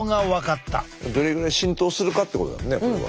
どれぐらい浸透するかってことだもんねこれは。